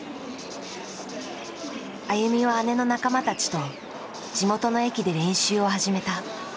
ＡＹＵＭＩは姉の仲間たちと地元の駅で練習を始めた。